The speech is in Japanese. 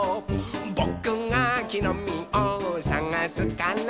「ぼくがきのみをさがすから」